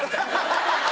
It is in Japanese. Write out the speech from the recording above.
ハハハハ！